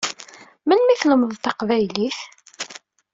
Memli i tlemdeḍ taqbaylit?